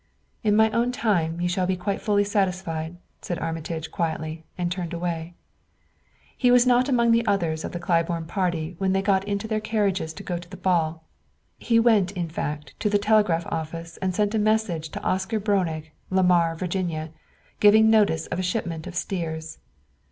"In my own time you shall be quite fully satisfied," said Armitage quietly, and turned away. He was not among the others of the Claiborne party when they got into their carriages to go to the ball. He went, in fact, to the telegraph office and sent a message to Oscar Breunig, Lamar, Virginia, giving notice of a shipment of steers.